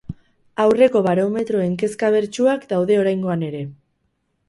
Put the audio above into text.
Aurreko barometroen kezka bertsuak daude oraingoan ere.